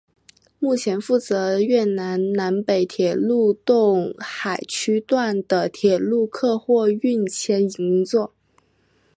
目前负责越南南北铁路洞海区段的铁路客货运牵引任务。